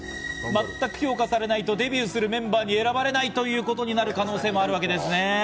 全く評価されないと、デビューメンバーに選ばれないという可能性もあるわけですね。